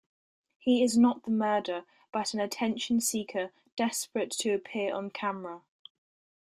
He is not the murderer, but an attention seeker desperate to appear on camera.